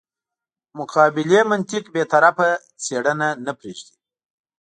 مقابلې منطق بې طرفه څېړنه نه پرېږدي.